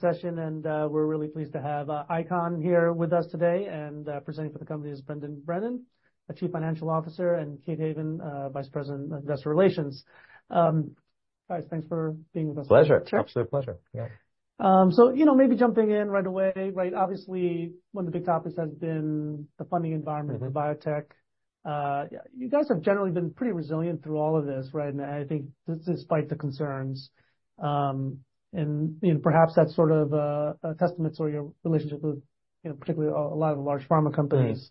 Session, and we're really pleased to have ICON here with us today, and presenting for the company is Brendan Brennan, a Chief Financial Officer, and Kate Haven, Vice President, Investor Relations. Guys, thanks for being with us. Pleasure. Absolute pleasure. Yeah. So, you know, maybe jumping in right away, right? Obviously, one of the big topics has been the funding environment for biotech. You guys have generally been pretty resilient through all of this, right? And I think despite the concerns, and, you know, perhaps that's sort of a testament to your relationship with, you know, particularly a lot of the large pharma companies.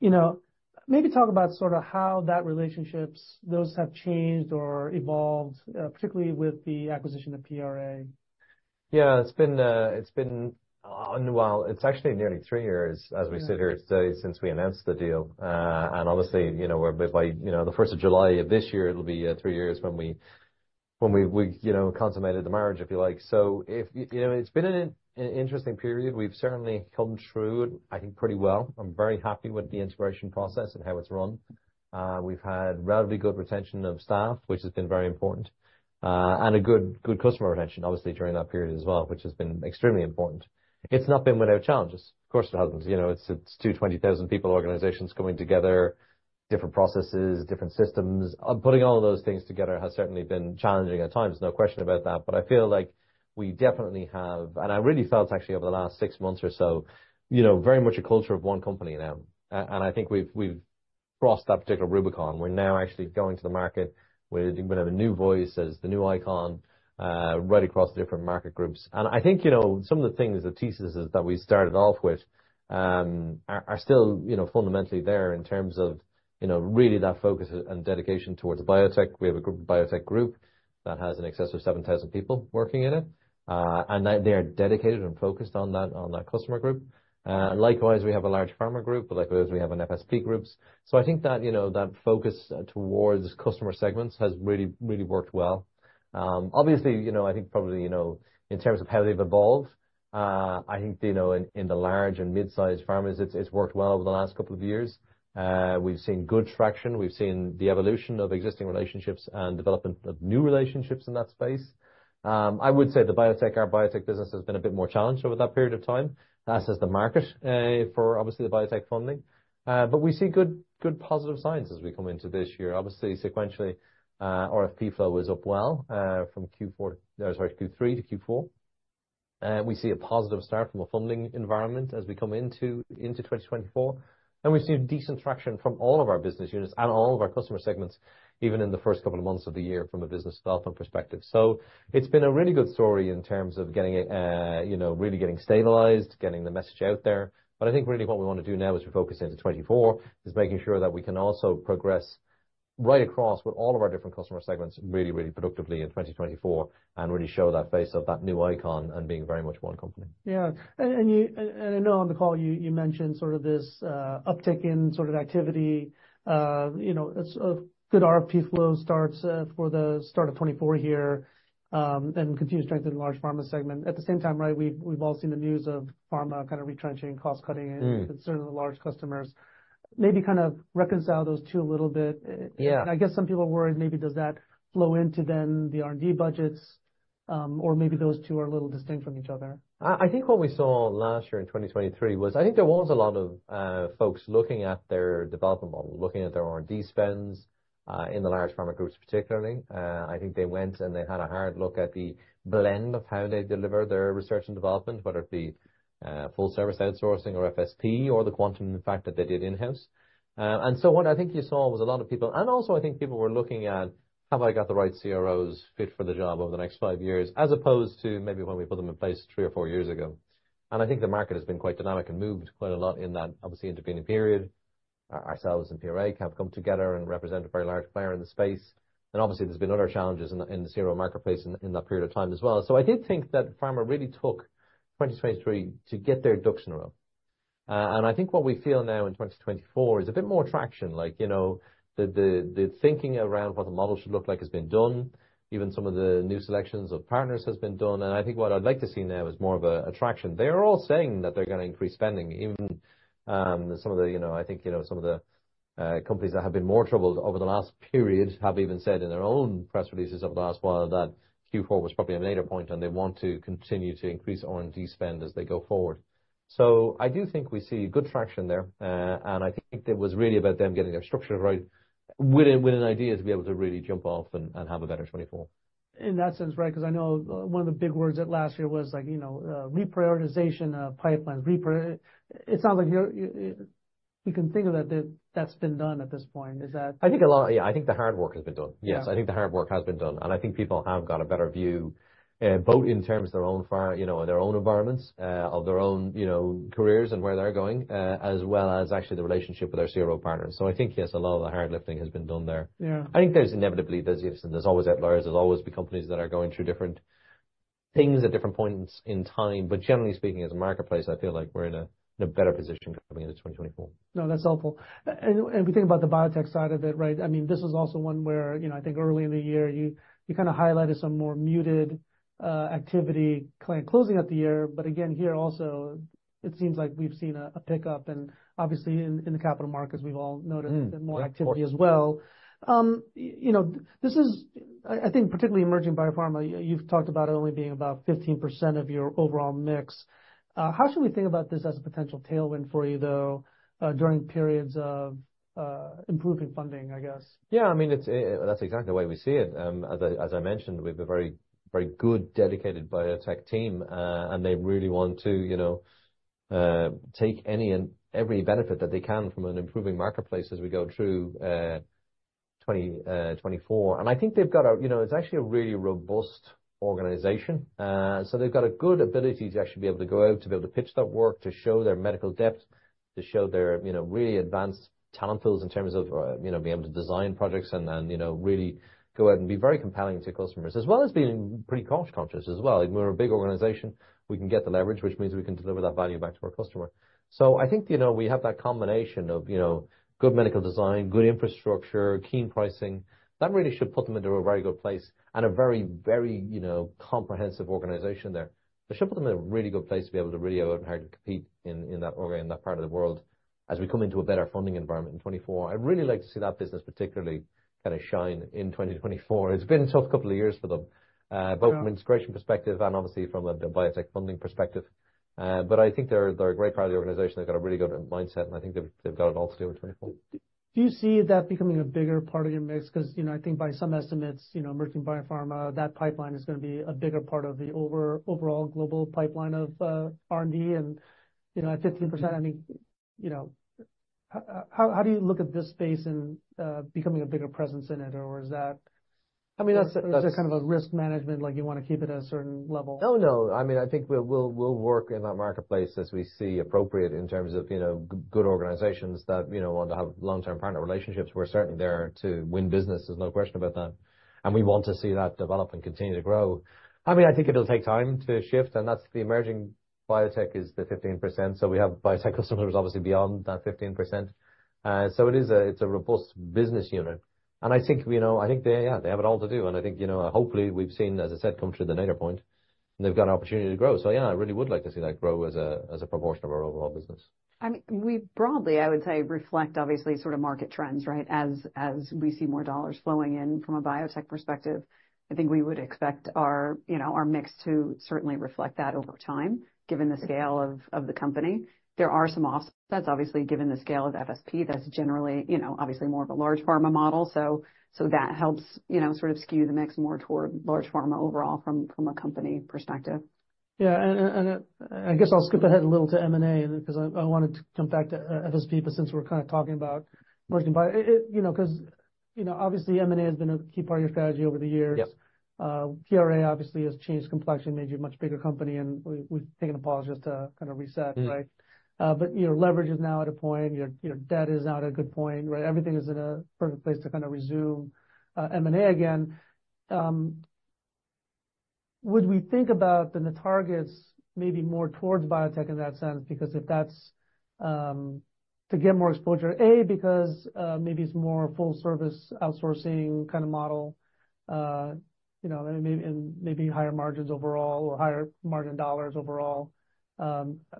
You know, maybe talk about sort of how that relationships, those have changed or evolved, particularly with the acquisition of PRA. Yeah, it's been on, and well, it's actually nearly three years, as we sit here today, since we announced the deal. Obviously, you know, we'll be by the 1st of July of this year. It'll be three years when we, you know, consummated the marriage, if you like. So, you know, it's been an interesting period. We've certainly come through it, I think, pretty well. I'm very happy with the integration process and how it's run. We've had relatively good retention of staff, which has been very important, and good customer retention, obviously, during that period as well, which has been extremely important. It's not been without challenges. Of course it hasn't. You know, it's two 20,000-people organizations coming together. Different processes, different systems. Putting all of those things together has certainly been challenging at times. No question about that. But I feel like we definitely have, and I really felt, actually, over the last six months or so, you know, very much a culture of one company now. And I think we've, we've crossed that particular Rubicon. We're now actually going to the market. We're going to have a new voice as the new ICON, right across the different market groups. And I think, you know, some of the things, the thesis is that we started off with, are, are still, you know, fundamentally there in terms of, you know, really that focus and dedication towards biotech. We have a group, biotech group, that has an excess of 7,000 people working in it, and they are dedicated and focused on that, on that customer group. Likewise, we have a large pharma group, but likewise we have an FSP group. So I think that, you know, that focus towards customer segments has really, really worked well. Obviously, you know, I think probably, you know, in terms of how they've evolved. I think, you know, in the large and midsize pharmas, it's, it's worked well over the last couple of years. We've seen good traction. We've seen the evolution of existing relationships and development of new relationships in that space. I would say the biotech, our biotech business has been a bit more challenged over that period of time. That said, the market for, obviously, the biotech funding. But we see good, good positive signs as we come into this year. Obviously, sequentially, RFP flow is up well, from Q4, or sorry, Q3 to Q4. We see a positive start from a funding environment as we come into, into 2024. We've seen decent traction from all of our business units and all of our customer segments, even in the first couple of months of the year from a business development perspective. It's been a really good story in terms of getting, you know, really getting stabilized, getting the message out there. I think really what we want to do now as we focus into 2024 is making sure that we can also progress right across with all of our different customer segments really, really productively in 2024, and really show that face of that new ICON and being very much one company. Yeah. And I know on the call you mentioned sort of this uptick in sort of activity. You know, it's a good RFP flow starts for the start of 2024 here, and continued strength in the large pharma segment. At the same time, right, we've all seen the news of pharma kind of retrenching, cost cutting, and concern of the large customers. Maybe kind of reconcile those two a little bit. Yeah, I guess some people are worried. Maybe does that flow into then the R&D budgets? Or maybe those two are a little distinct from each other. I think what we saw last year in 2023 was, I think there was a lot of folks looking at their development model, looking at their R&D spends in the large pharma groups, particularly. I think they went and they had a hard look at the blend of how they deliver their research and development, whether it be full service outsourcing or FSP, or the quantum, in fact, that they did in-house. And so what I think you saw was a lot of people, and also I think people were looking at have I got the right CROs fit for the job over the next five years, as opposed to maybe when we put them in place three or four years ago. And I think the market has been quite dynamic and moved quite a lot in that, obviously, intervening period. Ourselves and PRA have come together and represent a very large player in the space. And obviously there's been other challenges in the CRO marketplace in that period of time as well. So I did think that pharma really took 2023 to get their ducks in a row. And I think what we feel now in 2024 is a bit more traction, like, you know, the thinking around what the model should look like has been done. Even some of the new selections of partners have been done. And I think what I'd like to see now is more of a traction. They are all saying that they're going to increase spending, even, some of the, you know, I think, you know, some of the, companies that have been more troubled over the last period have even said in their own press releases over the last while that Q4 was probably a later point, and they want to continue to increase R&D spend as they go forward. So I do think we see good traction there. I think it was really about them getting their structure right with an idea to be able to really jump off and have a better 2024. In that sense, right, because I know one of the big words at last year was like, you know, reprioritization of pipelines. It sounds like you're, you can think of that that's been done at this point. Is that? I think a lot, yeah, I think the hard work has been done. Yes, I think the hard work has been done. I think people have got a better view, both in terms of their own pharma, you know, their own environments, of their own, you know, careers and where they're going, as well as actually the relationship with their CRO partners. So I think, yes, a lot of the hard lifting has been done there. Yeah, I think there's inevitably, there's, you know, there's always outliers. There's always be companies that are going through different things at different points in time. Generally speaking, as a marketplace, I feel like we're in a better position coming into 2024. No, that's helpful. And we think about the biotech side of it, right? I mean, this was also one where, you know, I think early in the year you kind of highlighted some more muted activity, client closing at the year. But again, here also, it seems like we've seen a pickup. And obviously in the capital markets, we've all noticed more activity as well. You know, this is, I think, particularly emerging biopharma. You've talked about it only being about 15% of your overall mix. How should we think about this as a potential tailwind for you, though, during periods of improving funding, I guess? Yeah, I mean, it's, that's exactly the way we see it. As I mentioned, we've a very, very good, dedicated biotech team. They really want to, you know, take any and every benefit that they can from an improving marketplace as we go through 2024. I think they've got a, you know, it's actually a really robust organization. They've got a good ability to actually be able to go out, to be able to pitch that work, to show their medical depth, to show their, you know, really advanced talent pools in terms of, you know, being able to design projects and, and, you know, really go out and be very compelling to customers, as well as being pretty cost conscious as well. Like we're a big organization. We can get the leverage, which means we can deliver that value back to our customer. So I think, you know, we have that combination of, you know, good medical design, good infrastructure, keen pricing. That really should put them into a very good place and a very, very, you know, comprehensive organization there. It should put them in a really good place to be able to really out and hard to compete in, in that organ, in that part of the world as we come into a better funding environment in 2024. I'd really like to see that business particularly kind of shine in 2024. It's been a tough couple of years for them, both from an integration perspective and obviously from a biotech funding perspective. But I think they're, they're a great part of the organization. They've got a really good mindset, and I think they've, they've got it all to do in 2024. Do you see that becoming a bigger part of your mix? Because, you know, I think by some estimates, you know, emerging biopharma, that pipeline is going to be a bigger part of the overall global pipeline of R&D. You know, at 15%, I mean, you know, how do you look at this space and becoming a bigger presence in it, or is that, I mean, is there kind of a risk management like you want to keep it at a certain level? Oh, no. I mean, I think we'll work in that marketplace as we see appropriate in terms of, you know, good organizations that, you know, want to have long-term partner relationships. We're certainly there to win business. There's no question about that. And we want to see that develop and continue to grow. I mean, I think it'll take time to shift. And that's the emerging biotech is the 15%. So we have biotech customers obviously beyond that 15%. So it is a, it's a robust business unit. And I think, you know, I think they're, yeah, they have it all to do. And I think, you know, hopefully we've seen, as I said, come through the later point. And they've got an opportunity to grow. So yeah, I really would like to see that grow as a proportion of our overall business. I mean, we broadly, I would say, reflect obviously sort of market trends, right? As we see more dollars flowing in from a biotech perspective, I think we would expect our, you know, our mix to certainly reflect that over time, given the scale of the company. There are some offsets, obviously, given the scale of FSP that's generally, you know, obviously more of a large pharma model. So, so that helps, you know, sort of skew the mix more toward large pharma overall from a company perspective. Yeah, and I guess I'll skip ahead a little to M&A because I wanted to come back to FSP, but since we're kind of talking about emerging biotech, you know, because, you know, obviously M&A has been a key part of your strategy over the years. PRA obviously has changed complexity, made you a much bigger company, and we've taken a pause just to kind of reset, right? But your leverage is now at a point. Your debt is now at a good point, right? Everything is in a perfect place to kind of resume M&A again. Would we think about the targets maybe more towards biotech in that sense? Because if that's, to get more exposure, A, because, maybe it's more full service outsourcing kind of model. You know, maybe higher margins overall or higher margin dollars overall.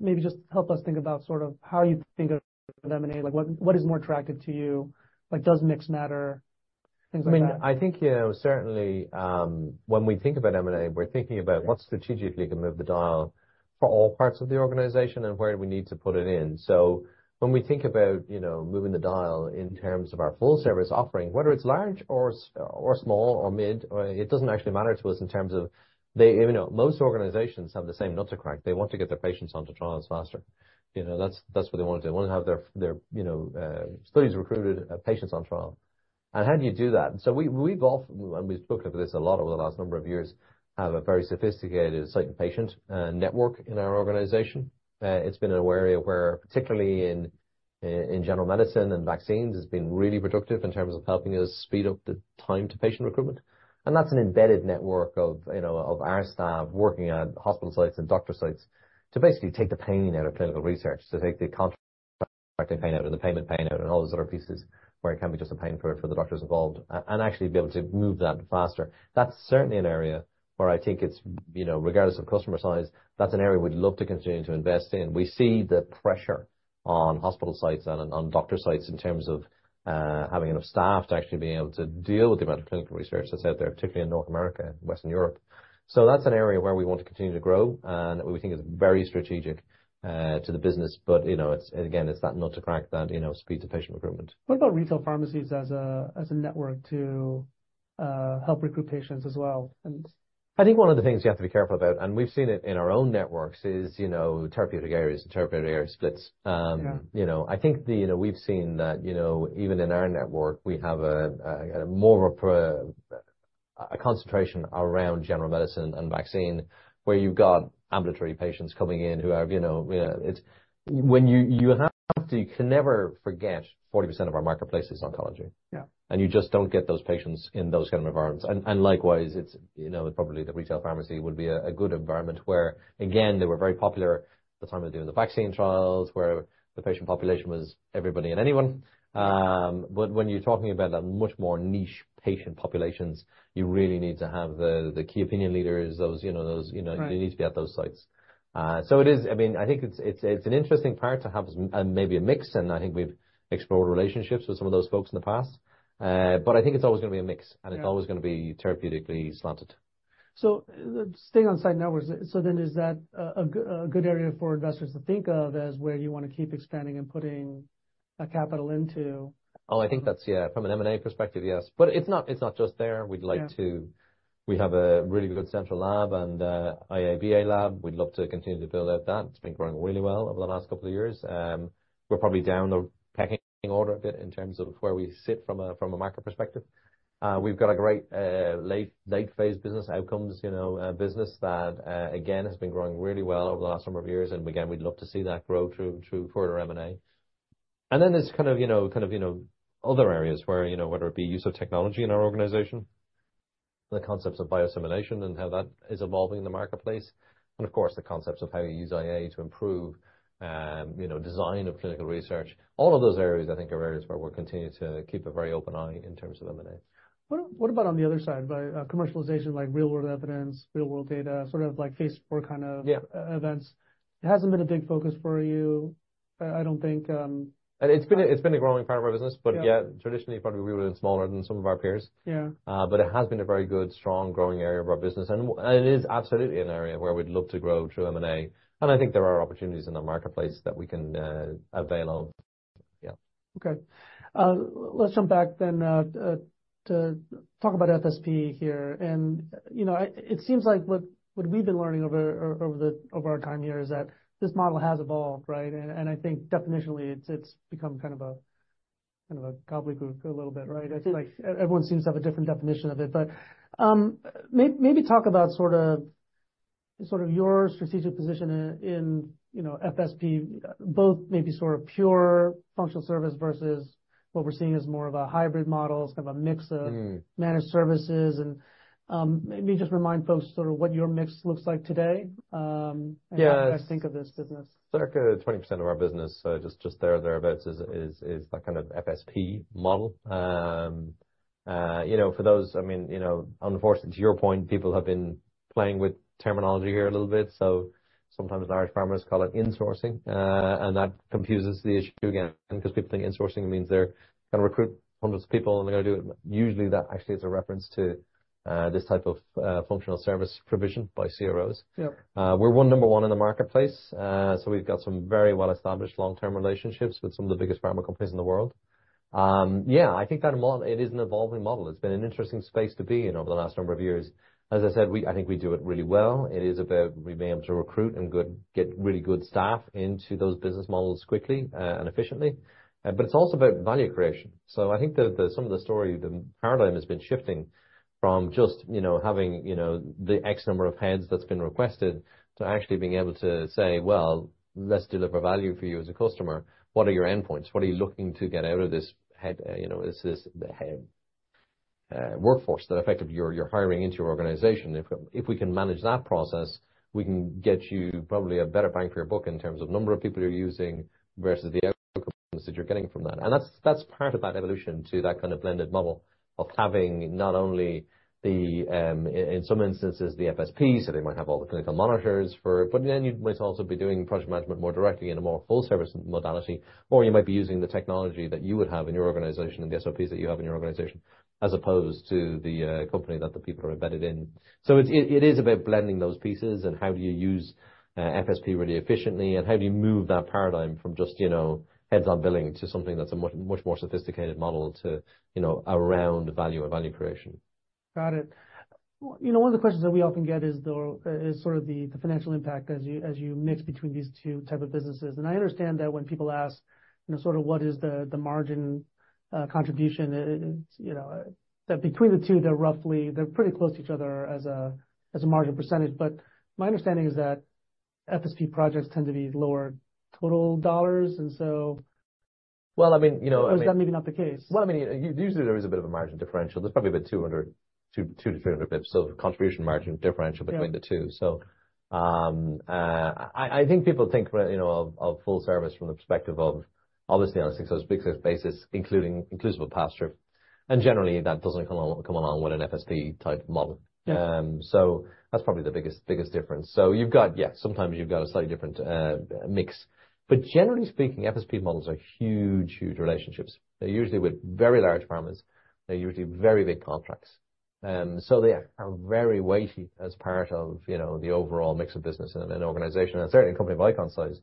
Maybe just help us think about sort of how you think of M&A, like what, what is more attractive to you? Like, does mix matter? Things like that. I mean, I think, you know, certainly, when we think about M&A, we're thinking about what strategically can move the dial for all parts of the organization and where do we need to put it in. So when we think about, you know, moving the dial in terms of our full service offering, whether it's large or small or mid, it doesn't actually matter to us in terms of they, you know, most organizations have the same nut to crack. They want to get their patients onto trials faster. You know, that's what they want to do. They want to have their, you know, studies recruited, patients on trial. And how do you do that? So we, we've all, and we've spoken about this a lot over the last number of years, have a very sophisticated site and patient network in our organization. It's been an area where, particularly in general medicine and vaccines, it's been really productive in terms of helping us speed up the time to patient recruitment. And that's an embedded network of, you know, of our staff working at hospital sites and doctor sites to basically take the pain out of clinical research, to take the contracting pain out and the payment pain out and all those other pieces where it can be just a pain for the doctors involved and actually be able to move that faster. That's certainly an area where I think it's, you know, regardless of customer size, that's an area we'd love to continue to invest in. We see the pressure on hospital sites and on doctor sites in terms of, having enough staff to actually be able to deal with the amount of clinical research that's out there, particularly in North America and Western Europe. So that's an area where we want to continue to grow and we think is very strategic, to the business. But, you know, it's, again, it's that nut to crack that, you know, speed to patient recruitment. What about retail pharmacies as a network to help recruit patients as well? I think one of the things you have to be careful about, and we've seen it in our own networks, is, you know, therapeutic areas and therapeutic area splits. You know, I think the, you know, we've seen that, you know, even in our network, we have a, a more of a concentration around general medicine and vaccine, where you've got ambulatory patients coming in who have, you know, it's when you, you have to, you can never forget 40% of our marketplace is oncology. Yeah, and you just don't get those patients in those kind of environments. And, and likewise, it's, you know, probably the retail pharmacy would be a good environment where, again, they were very popular at the time of doing the vaccine trials, where the patient population was everybody and anyone. But when you're talking about that much more niche patient populations, you really need to have the key opinion leaders, those, you know, those, you know, you need to be at those sites. So it is, I mean, I think it's, it's, it's an interesting part to have maybe a mix, and I think we've explored relationships with some of those folks in the past. But I think it's always going to be a mix, and it's always going to be therapeutically slanted. So, staying on site networks, so then is that a good area for investors to think of as where you want to keep expanding and putting capital into? Oh, I think that's, yeah, from an M&A perspective, yes. But it's not, it's not just there. We'd like to, we have a really good central lab and bioanalytical lab. We'd love to continue to build out that. It's been growing really well over the last couple of years. We're probably down the pecking order a bit in terms of where we sit from a, from a market perspective. We've got a great late-, late-phase business outcomes, you know, business that, again, has been growing really well over the last number of years. And again, we'd love to see that grow through, through further M&A. And then there's kind of, you know, kind of, you know, other areas where, you know, whether it be use of technology in our organization, the concepts of biosimulation and how that is evolving in the marketplace. And of course, the concepts of how you use AI to improve, you know, design of clinical research. All of those areas, I think, are areas where we'll continue to keep a very open eye in terms of M&A. What about on the other side by commercialization like real-world evidence, real-world data, sort of like phase IV kind of events? It hasn't been a big focus for you, I don't think. It's been a growing part of our business, but yet traditionally probably we were smaller than some of our peers. Yeah, but it has been a very good, strong growing area of our business. And it is absolutely an area where we'd love to grow through M&A. And I think there are opportunities in the marketplace that we can avail of. Yeah. Okay, let's jump back then to talk about FSP here. And, you know, it seems like what we've been learning over our time here is that this model has evolved, right? And I think definitionally it's become kind of a gobbledygook a little bit, right? It's like everyone seems to have a different definition of it. But, maybe talk about sort of your strategic position in, you know, FSP, both maybe sort of pure functional service versus what we're seeing as more of a hybrid model, kind of a mix of managed services. And, maybe just remind folks sort of what your mix looks like today. How do I think of this business? Yeah, circa 20% of our business, just thereabouts, is that kind of FSP model. You know, for those, I mean, you know, unfortunately, to your point, people have been playing with terminology here a little bit. So sometimes large pharma call it insourcing. And that confuses the issue again, because people think insourcing means they're going to recruit hundreds of people and they're going to do it. Usually that actually is a reference to this type of functional service provision by CROs. We're number one in the marketplace. So we've got some very well-established long-term relationships with some of the biggest pharma companies in the world. Yeah, I think that model, it is an evolving model. It's been an interesting space to be in over the last number of years. As I said, we, I think we do it really well. It is about being able to recruit and get really good staff into those business models quickly and efficiently. But it's also about value creation. So I think that some of the story, the paradigm has been shifting from just, you know, having, you know, the X number of heads that's been requested to actually being able to say, well, let's deliver value for you as a customer. What are your endpoints? What are you looking to get out of this head, you know, this workforce that effectively you're hiring into your organization? If we can manage that process, we can get you probably a better bang for your buck in terms of number of people you're using versus the outcomes that you're getting from that. And that's, that's part of that evolution to that kind of blended model of having not only the, in some instances, the FSP, so they might have all the clinical monitors for it, but then you might also be doing project management more directly in a more full service modality, or you might be using the technology that you would have in your organization and the SOPs that you have in your organization, as opposed to the, company that the people are embedded in. So it's, it is about blending those pieces and how do you use, FSP really efficiently and how do you move that paradigm from just, you know, heads-on billing to something that's a much, much more sophisticated model to, you know, around value and value creation. Got it. You know, one of the questions that we often get is the, is sort of the financial impact as you, as you mix between these two types of businesses. And I understand that when people ask, you know, sort of what is the margin contribution, you know, that between the two, they're roughly, they're pretty close to each other as a margin percentage. But my understanding is that FSP projects tend to be lower total dollars, and so. Well, I mean, you know. Or is that maybe not the case? Well, I mean, usually there is a bit of a margin differential. There's probably about 200-300 basis points of contribution margin differential between the two. So, I think people think, you know, of full service from the perspective of obviously on a success, big success basis, including inclusive of pass-through. And generally that doesn't come along with an FSP type model. So that's probably the biggest, biggest difference. So you've got, yeah, sometimes you've got a slightly different, mix. But generally speaking, FSP models are huge, huge relationships. They're usually with very large firms. They're usually very big contracts. So they are very weighty as part of, you know, the overall mix of business in an organization. And certainly in a company of ICON size,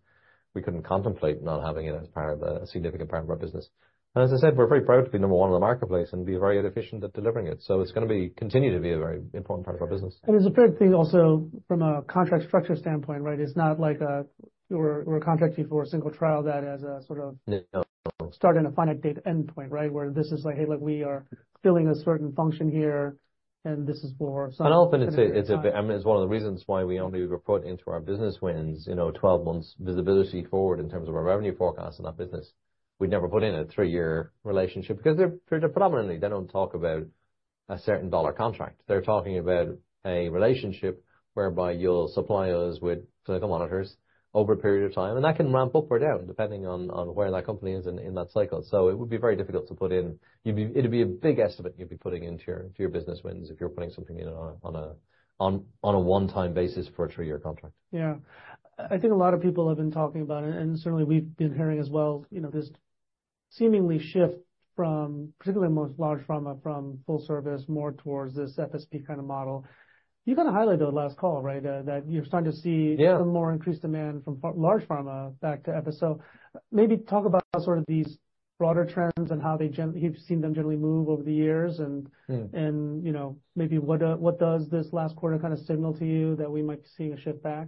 we couldn't contemplate not having it as part of a significant part of our business. As I said, we're very proud to be number one in the marketplace and be very efficient at delivering it. It's going to continue to be a very important part of our business. And it's a great thing also from a contract structure standpoint, right? It's not like a, we're contracting for a single trial that has a sort of start and a finite date endpoint, right? Where this is like, hey, look, we are filling a certain function here, and this is for some. And often it's a bit, I mean, it's one of the reasons why we only report into our business wins, you know, 12 months visibility forward in terms of our revenue forecast in that business. We'd never put in a three years relationship because they're predominantly, they don't talk about a certain dollar contract. They're talking about a relationship whereby you'll supply us with clinical monitors over a period of time. And that can ramp up or down depending on where that company is in that cycle. So it would be very difficult to put in, it'd be a big estimate you'd be putting into your business wins if you're putting something in on a one-time basis for a three years contract. Yeah. I think a lot of people have been talking about it, and certainly we've been hearing as well, you know, this seemingly shift from, particularly most large pharma from full service more towards this FSP kind of model. You kind of highlighted on last call, right, that you're starting to see some more increased demand from large pharma back to FSO. Maybe talk about sort of these broader trends and how they generally, you've seen them generally move over the years and, and, you know, maybe what, what does this last quarter kind of signal to you that we might be seeing a shift back?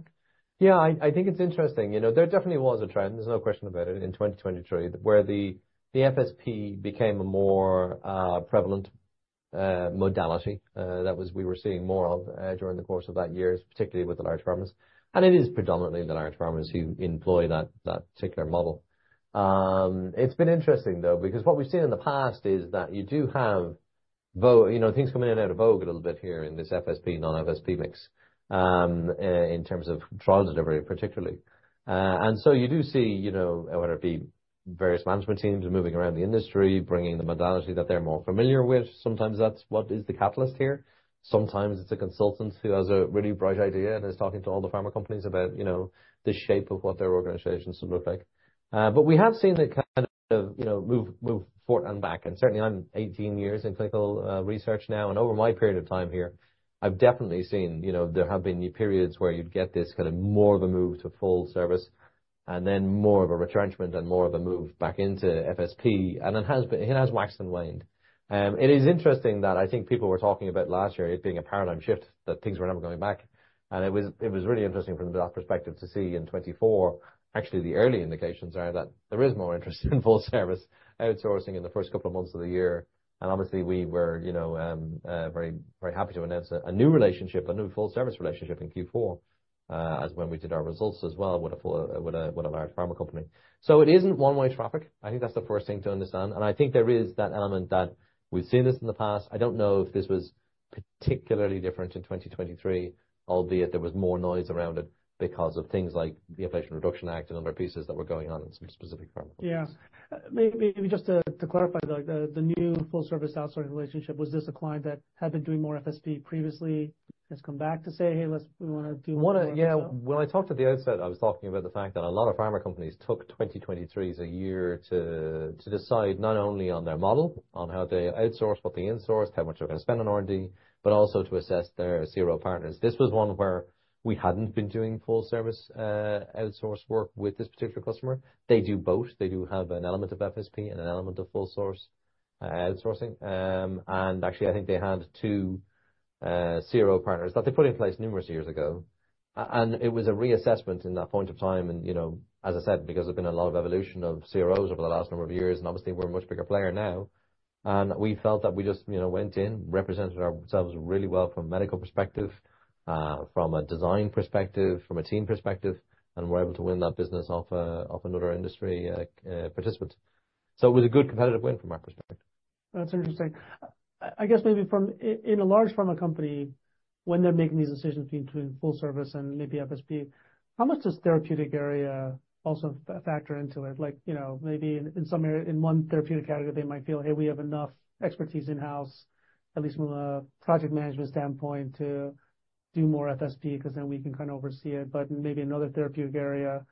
Yeah, I think it's interesting. You know, there definitely was a trend, there's no question about it, in 2023, where the FSP became a more prevalent modality that we were seeing more of during the course of that year, particularly with the large pharmas. And it is predominantly the large pharmas who employ that particular model. It's been interesting though, because what we've seen in the past is that you do have, you know, things coming in and out of vogue a little bit here in this FSP/non-FSP mix, in terms of trial delivery particularly. And so you do see, you know, whether it be various management teams moving around the industry, bringing the modality that they're more familiar with, sometimes that's what is the catalyst here. Sometimes it's a consultant who has a really bright idea and is talking to all the pharma companies about, you know, the shape of what their organizations should look like. But we have seen it kind of, you know, move back and forth. And certainly I'm 18 years in clinical research now, and over my period of time here, I've definitely seen, you know, there have been periods where you'd get this kind of more of a move to full service, and then more of a retrenchment and more of a move back into FSP, and it has waxed and waned. It is interesting that I think people were talking about last year it being a paradigm shift, that things were never going back. It was really interesting from that perspective to see in 2024, actually the early indications are that there is more interest in full service outsourcing in the first couple of months of the year. Obviously we were, you know, very, very happy to announce a new relationship, a new full service relationship in Q4, as when we did our results as well with a large pharma company. So it isn't one-way traffic. I think that's the first thing to understand. I think there is that element that we've seen this in the past. I don't know if this was particularly different in 2023, albeit there was more noise around it because of things like the Inflation Reduction Act and other pieces that were going on in some specific pharma companies. Yeah. Maybe just to clarify, the new Full Service Outsourcing relationship, was this a client that had been doing more FSP previously, has come back to say, hey, let's, we want to do more? Yeah, when I talked at the outset, I was talking about the fact that a lot of pharma companies took 2023 as a year to decide not only on their model, on how they outsourced, what they insourced, how much they're going to spend on R&D, but also to assess their CRO partners. This was one where we hadn't been doing full service outsource work with this particular customer. They do both. They do have an element of FSP and an element of full service outsourcing. And actually I think they had two CRO partners that they put in place numerous years ago. And it was a reassessment in that point of time. And, you know, as I said, because there's been a lot of evolution of CROs over the last number of years, and obviously we're a much bigger player now. We felt that we just, you know, went in, represented ourselves really well from a medical perspective, from a design perspective, from a team perspective, and were able to win that business off another industry participant. It was a good competitive win from our perspective. That's interesting. I guess maybe from in a large pharma company, when they're making these decisions between full service and maybe FSP, how much does therapeutic area also factor into it? Like, you know, maybe in some area, in one therapeutic category, they might feel, hey, we have enough expertise in-house, at least from a project management standpoint, to do more FSP because then we can kind of oversee it. But maybe another therapeutic area,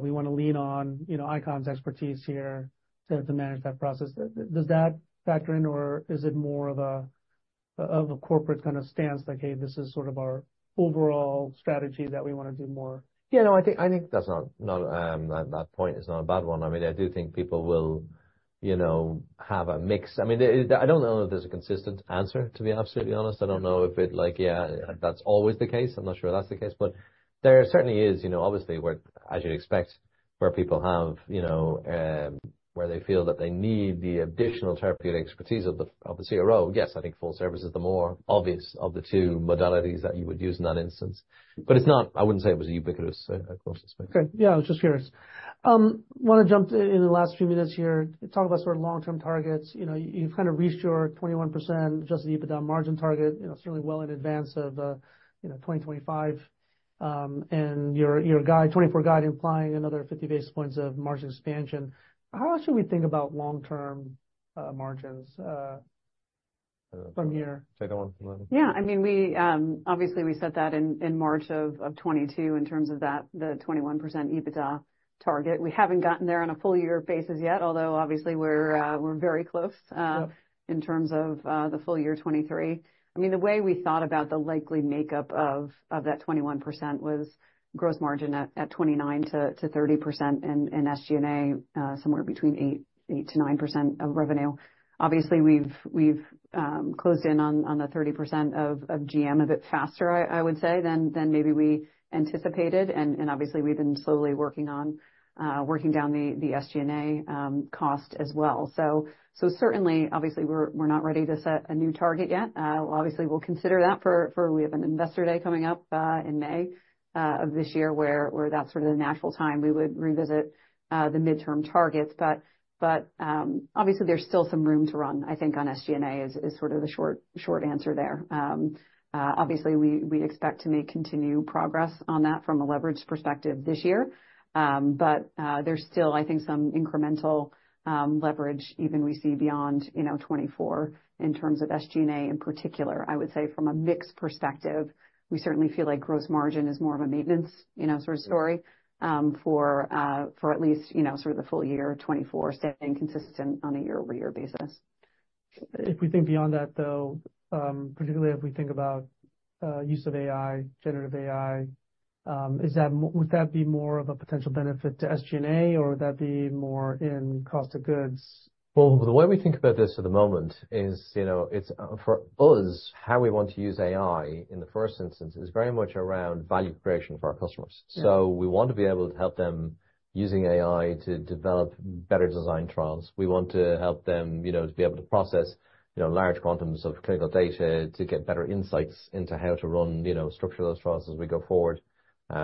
we want to lean on, you know, ICON's expertise here to manage that process. Does that factor in or is it more of a corporate kind of stance like, hey, this is sort of our overall strategy that we want to do more? Yeah, no, I think that's not a bad one. I mean, I do think people will, you know, have a mix. I mean, I don't know if there's a consistent answer, to be absolutely honest. I don't know if it, like, yeah, that's always the case. I'm not sure that's the case. But there certainly is, you know, obviously where, as you'd expect, where people have, you know, where they feel that they need the additional therapeutic expertise of the CRO. Yes, I think full service is the more obvious of the two modalities that you would use in that instance. But it's not, I wouldn't say it was a ubiquitous approach. Okay. Yeah, I was just curious. Want to jump in the last few minutes here, talk about sort of long-term targets. You know, you've kind of reached your 21% Adjusted EBITDA margin target, you know, certainly well in advance of, you know, 2025. And your 2024 guide, implying another 50 basis points of margin expansion. How should we think about long-term margins from here? Take that one. Yeah, I mean, we obviously set that in March 2022 in terms of that, the 21% EBITDA target. We haven't gotten there on a full year basis yet, although obviously we're very close in terms of the full year 2023. I mean, the way we thought about the likely makeup of that 21% was gross margin at 29%-30% in SG&A, somewhere between 8%-9% of revenue. Obviously, we've closed in on the 30% of GM a bit faster, I would say, than maybe we anticipated. And obviously we've been slowly working on working down the SG&A cost as well. So certainly, obviously we're not ready to set a new target yet. Obviously we'll consider that for, we have an Investor Day coming up in May of this year where that's sort of the natural time we would revisit the midterm targets. But obviously there's still some room to run, I think, on SG&A is sort of the short answer there. Obviously we expect to make continue progress on that from a leverage perspective this year. But there's still, I think, some incremental leverage even we see beyond, you know, 2024 in terms of SG&A in particular. I would say from a mixed perspective, we certainly feel like gross margin is more of a maintenance, you know, sort of story for at least, you know, sort of the full year 2024, staying consistent on a year-over-year basis. If we think beyond that though, particularly if we think about use of AI, generative AI, would that be more of a potential benefit to SG&A or would that be more in cost of goods? Well, the way we think about this at the moment is, you know, it's for us, how we want to use AI in the first instance is very much around value creation for our customers. So we want to be able to help them using AI to develop better design trials. We want to help them, you know, to be able to process, you know, large quantities of clinical data to get better insights into how to run, you know, structure those trials as we go forward.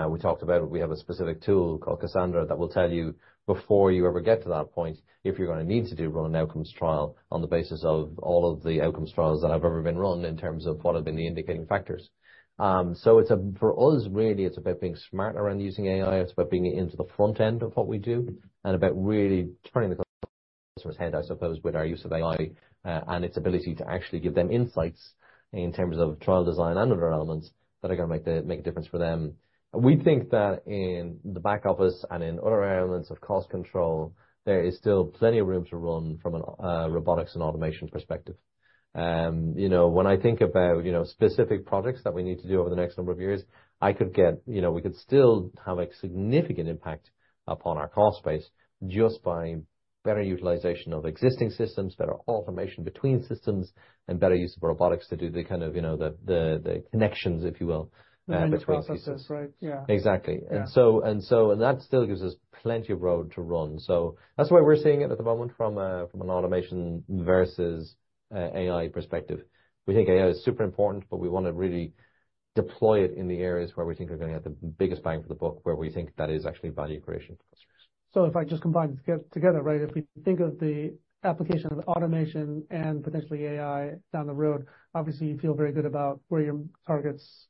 We talked about it, we have a specific tool called Cassandra that will tell you before you ever get to that point if you're going to need to run an outcomes trial on the basis of all of the outcomes trials that have ever been run in terms of what have been the indicating factors. So it's for us really, it's about being smart around using AI, it's about being into the front end of what we do, and about really turning the customer's head, I suppose, with our use of AI and its ability to actually give them insights in terms of trial design and other elements that are going to make a difference for them. We think that in the back office and in other elements of cost control, there is still plenty of room to run from a robotics and automation perspective. You know, when I think about, you know, specific projects that we need to do over the next number of years, I could get, you know, we could still have a significant impact upon our cost base just by better utilization of existing systems, better automation between systems, and better use of robotics to do the kind of, you know, the connections, if you will, between systems. The process, right? Yeah. Exactly. And so, and so, and that still gives us plenty of road to run. So that's why we're seeing it at the moment from an automation versus AI perspective. We think AI is super important, but we want to really deploy it in the areas where we think we're going to get the biggest bang for the buck, where we think that is actually value creation for customers. So if I just combine it together, right, if we think of the application of automation and potentially AI down the road, obviously you feel very good about where your targets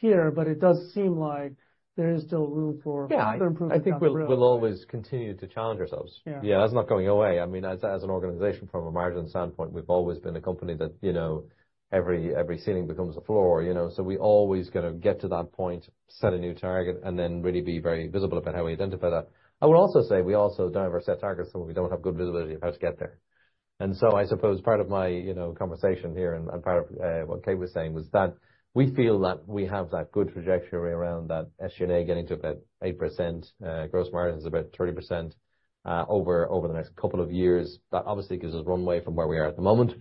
here, but it does seem like there is still room for improvement down the road. Yeah, I think we'll always continue to challenge ourselves. Yeah, that's not going away. I mean, as an organization from a margin standpoint, we've always been a company that, you know, every ceiling becomes a floor, you know, so we're always going to get to that point, set a new target, and then really be very visible about how we identify that. I would also say we also don't have our set targets so we don't have good visibility of how to get there. And so I suppose part of my, you know, conversation here and part of what Kate was saying was that we feel that we have that good trajectory around that SG&A getting to about 8%, gross margin is about 30% over the next couple of years. That obviously gives us runway from where we are at the moment.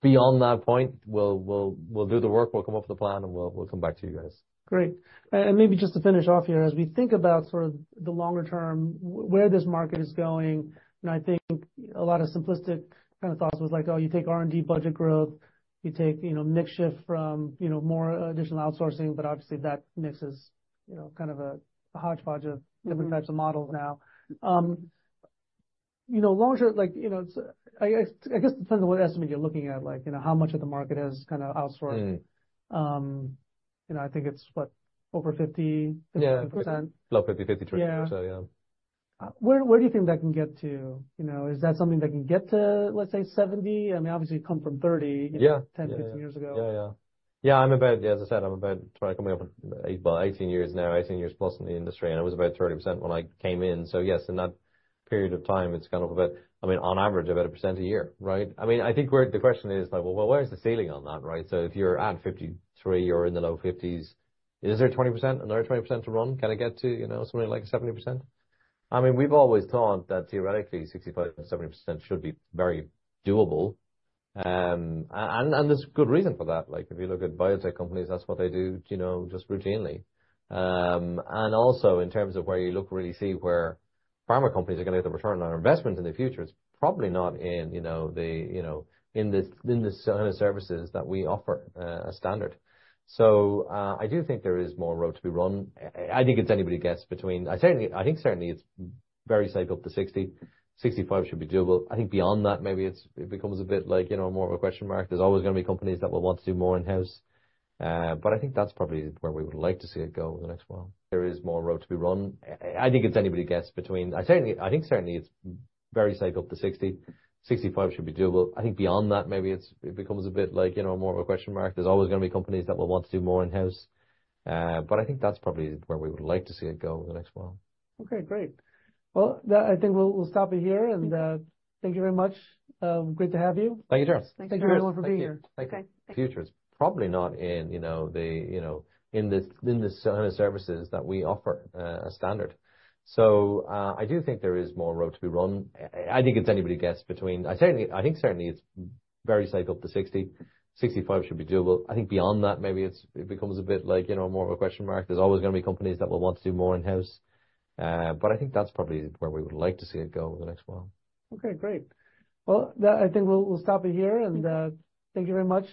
Beyond that point, we'll do the work, we'll come up with a plan, and we'll come back to you guys. Great. Maybe just to finish off here, as we think about sort of the longer term, where this market is going, and I think a lot of simplistic kind of thoughts was like, oh, you take R&D budget growth, you take, you know, mix shift from, you know, more additional outsourcing, but obviously that mix is, you know, kind of a hodgepodge of different types of models now. You know, long-term, like, you know, I guess it depends on what estimate you're looking at, like, you know, how much of the market has kind of outsourced. You know, I think it's what, over 50%? Yeah, low 50%, 50%, 30%, yeah. Where do you think that can get to? You know, is that something that can get to, let's say, 70%? I mean, obviously you come from 30%, you know, 10, 15 years ago. Yeah, yeah. Yeah, I'm about, as I said, I'm about trying to come up with 18 years now, 18+ years in the industry, and I was about 30% when I came in. So yes, in that period of time, it's kind of about, I mean, on average, about 1% a year, right? I mean, I think where the question is like, well, where's the ceiling on that, right? So if you're at 53% or in the low 50s%, is there 20%? Another 20% to run? Can it get to, you know, something like 70%? I mean, we've always thought that theoretically 65%-70% should be very doable. And there's good reason for that. Like, if you look at biotech companies, that's what they do, you know, just routinely. Also in terms of where you look really see where pharma companies are going to get the return on their investment in the future, it's probably not in, you know, the, you know, in the kind of services that we offer as standard. So I do think there is more road to be run. I think it's anybody's guess between, I think certainly it's revised up to 60%, 65% should be doable. I think beyond that, maybe it becomes a bit like, you know, more of a question mark. There's always going to be companies that will want to do more in-house. But I think that's probably where we would like to see it go in the next while. There is more road to be run. I think it's anybody's guess between, I think certainly it's revised up to 60%, 65% should be doable. I think beyond that, maybe it becomes a bit like, you know, more of a question mark. There's always going to be companies that will want to do more in-house. But I think that's probably where we would like to see it go in the next while. Okay, great. Well, I think we'll stop it here. And thank you very much. Great to have you. Thank you, Charles. Thank you very much for being here. Thank you. Future is probably not in, you know, the, you know, in the kind of services that we offer as standard. So I do think there is more road to be run. I think it's anybody's guess between, I think certainly it's revised up to 60%. 65% should be doable. I think beyond that, maybe it becomes a bit like, you know, more of a question mark. There's always going to be companies that will want to do more in-house. But I think that's probably where we would like to see it go in the next while. Okay, great. Well, I think we'll stop it here. Thank you very much.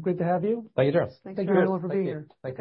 Great to have you. Thank you, Charles. Thank you very much for being here. Thank you.